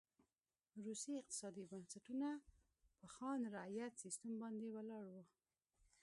روسي اقتصادي بنسټونه په خان رعیت سیستم باندې ولاړ و.